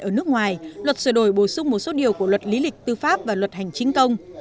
ở nước ngoài luật sửa đổi bổ sung một số điều của luật lý lịch tư pháp và luật hành chính công